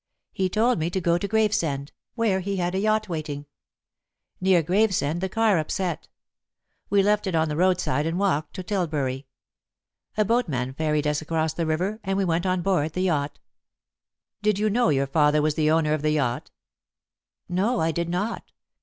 He told me to go to Gravesend, where he had a yacht waiting. Near Gravesend the car upset. We left it on the roadside and walked to Tilbury. A boatman ferried us across the river, and we went on board the yacht." "Did you know your father was the owner of the yacht?" "No, I did not.